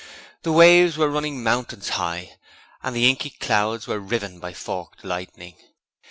The waves were running mountains high and the inky clouds were riven by forked lightning.